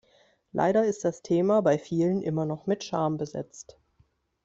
Leider ist das Thema bei vielen immer noch mit Scham besetzt.